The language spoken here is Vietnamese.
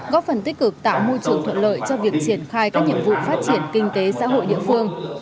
góp phần tích cực tạo môi trường thuận lợi cho việc triển khai các nhiệm vụ phát triển kinh tế xã hội địa phương